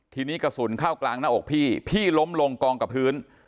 ทีนี้กระสุนเข้ากลางหน้าอกพี่พี่ล้มลงกองกับพื้น